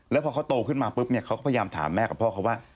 แล้วพอเขาโตขึ้นมาปุ๊บเนี่ยเขาก็พยายามถามแม่กับพ่อเขาว่า